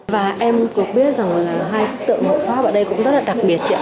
và em cũng biết rằng là hai tượng hộ phó ở đây cũng rất là đặc biệt